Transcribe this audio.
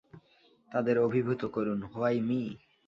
তাদের অভিভূত করুন, হোয়াই মী?